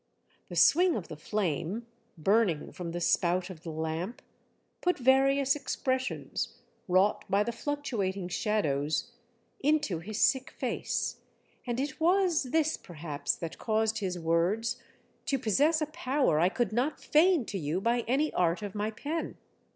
The swing of the flame, burning from the spout of the lamp put various expres sions, wrought by the fluctuating shadows, into his sick face, and it was this perhaps that caused his words to possess a power I could not feign to you by any art of my pen.